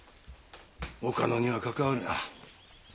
岡野には関わるな。